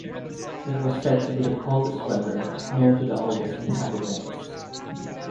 It was said to be the coldest weather known to the oldest inhabitants.